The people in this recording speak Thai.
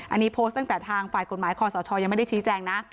อันนี้โพสต์ตั้งแต่ทางฝ่ายกฎหมายคอสชยังไม่ได้ชี้แจงนะ